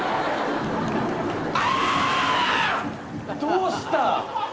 どうした！？